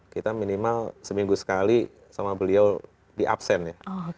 kita minimal seminggu sekali sama beliau di absen ya